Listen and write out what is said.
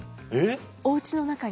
おうちの中に。